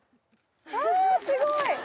あすごい！